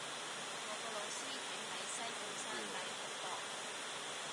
我個老師住喺西半山帝豪閣